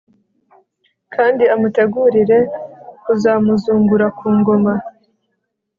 kandi amutegurire kuzamuzungura ku ngoma